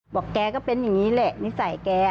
แกก็เป็นอย่างนี้แหละนิสัยแก